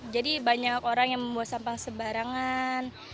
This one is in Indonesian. jadi banyak orang yang membuang sampah sembarangan